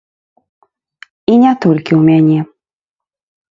І не толькі ў мяне.